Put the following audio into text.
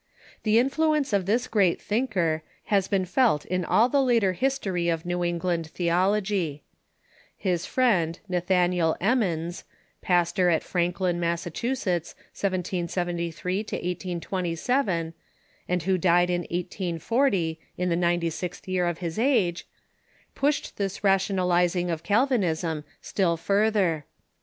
The influence of this great thinker has been felt in all the later history of New England theology. His friend, Nathaniel Em mons, pastor at Franklin, Massachusetts, 1773 1827, and who died in 1840, in the ninety sixth year of his age, pushed this ra tionalizing of Calvinism still further.